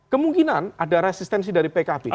kemungkinan ada resistensi dari pkb